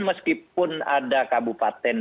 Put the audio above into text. meskipun ada kabupaten